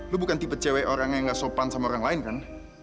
lu bukan tipe cw orang yang gak sopan sama orang lain kan